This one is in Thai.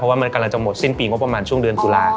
ว่ามันกำลังจะหมดสิ้นปีงบประมาณช่วงเดือนตุลา